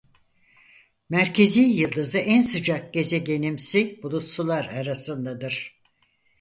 Merkezî yıldızı en sıcak gezegenimsi bulutsular arasındadır.